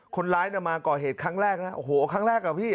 คนร้ายมาก่อเหตุครั้งแรกนะโอ้โหครั้งแรกอ่ะพี่